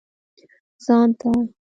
ځان ته.